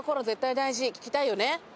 絶対大事聞きたいよね